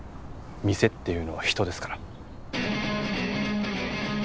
店っていうのは人ですから。